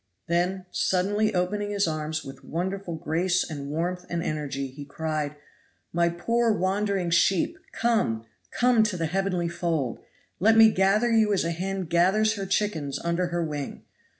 Then, suddenly opening his arms with wonderful grace and warmth and energy, he cried, "My poor wandering sheep, come come to the heavenly fold! Let me gather you as a hen gathers her chickens under her wing.